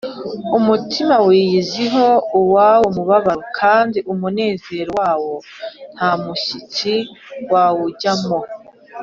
umutima wiyiziho uwawo mubabaro, kandi umunezero wawo nta mushyitsi wawujyamo